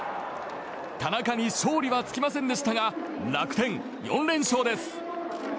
田中に勝利はつきませんでしたが楽天、４連勝です！